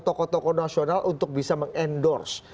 tokoh tokoh nasional untuk bisa mengendorse